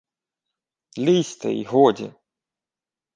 — Лізьте, й годі!